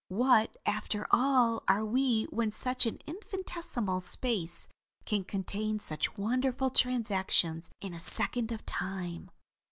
What, after all, are we when such an infinitesimal space can contain such wonderful transactions in a second of time."